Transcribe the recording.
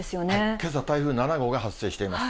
けさ、台風７号が発生しています。